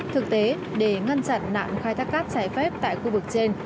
thực tế để ngăn chặn nạn khai thác cát trái phép tại khu vực trên